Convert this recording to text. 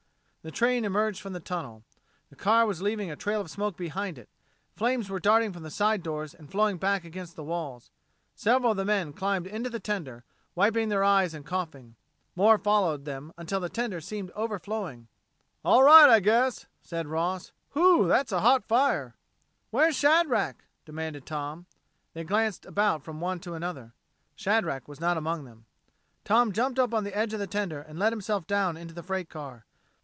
The train emerged from the tunnel. The car was leaving a trail of smoke behind it; flames were darting from the side doors and flowing back against the walls. Several of the men climbed into the tender, wiping their eyes and coughing. More followed them until the tender seemed overflowing. "All out, I guess," said Ross. "Whew! that's a hot fire." "Where's Shadrack?" demanded Tom. They glanced about from one to another. Shadrack was not among them. Tom jumped up to the edge of the tender and let himself down into the freight car.